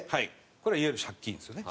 これはいわゆる借金ですよね。